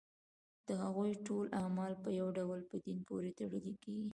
د هغوی ټول اعمال په یو ډول په دین پورې تړل کېږي.